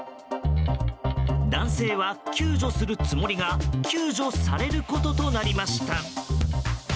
男性は救助するつもりが救助されることとなりました。